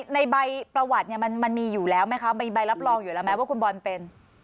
ในใบประวัติเนี่ยมันมีอยู่แล้วไหมคะมีใบรับรองอยู่แล้วไหมว่าคุณบอลเป็น